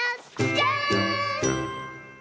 じゃん！